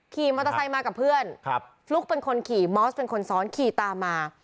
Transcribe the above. ขี่มอเตอร์ไซค์มากับเพื่อนฟลุ๊กเป็นคนขี่มอสเป็นคนซ้อนขี่ตามมา